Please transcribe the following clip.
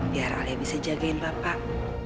biar ayah bisa jagain bapak